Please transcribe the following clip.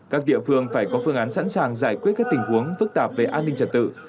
các địa phương phải có phương án sẵn sàng giải quyết các tình huống phức tạp về an ninh trật tự